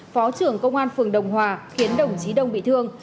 phó trưởng công an phường đồng hòa khiến đồng chí đông bị thương